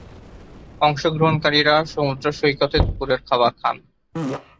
অংশগ্রহণকারীরা সমুদ্র সৈকতে দুপুরের খাবার খান।